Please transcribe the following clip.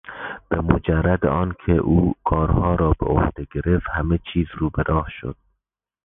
به مجرد آن که او کارها را به عهده گرفت همه چیز روبراه شد.